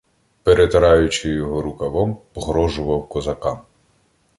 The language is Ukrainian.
Перетираючи його рукавом, "погрожував" козакам: